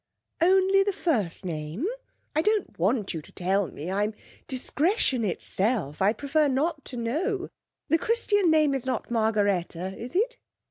'Only the first name? I don't want you to tell me; I'm discretion itself, I prefer not to know. The Christian name is not Margaretta, is it?